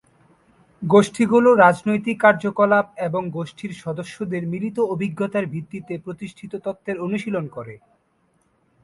গোষ্ঠীগুলো রাজনৈতিক কার্যকলাপ এবং গোষ্ঠীর সদস্যদের মিলিত অভিজ্ঞতার ভিত্তিতে প্রতিষ্ঠিত তত্ত্বের অনুশীলন করে।